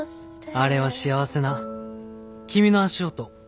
「あれは幸せな君の足音」。